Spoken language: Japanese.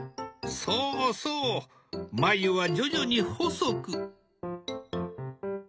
そうそう眉は徐々に細く。